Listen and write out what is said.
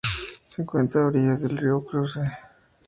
Se encuentra a orillas del río Creuse.